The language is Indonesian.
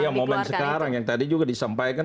ya momen sekarang yang tadi juga disampaikan